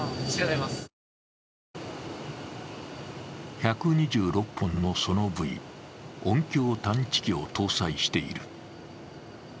１２６本のソノブイ音響探知機を搭載している。